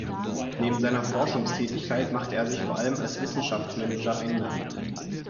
Neben seiner Forschungstätigkeit machte er sich vor allem als Wissenschaftsmanager einen Namen.